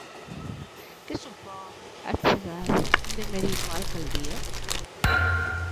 Que supón a chegada de Merino á Alcaldía?